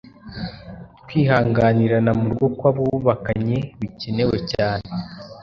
kwihanganirana mu rugo kw’abubakanye bikenewe cyane